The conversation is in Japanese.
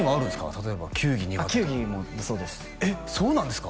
例えば球技苦手球技もそうですえっそうなんですか？